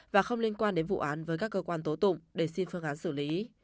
và không liên quan đến vụ án với các cơ quan tố tụng để xin phương án xử lý